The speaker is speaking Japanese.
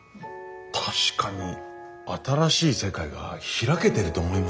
確かに新しい世界が開けていると思います。